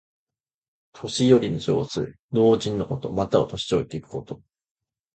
年寄りの様子。老人のこと。または、年老いていくこと。